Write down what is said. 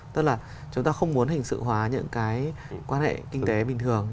tức là chúng ta không muốn hình sự hóa những cái quan hệ kinh tế bình thường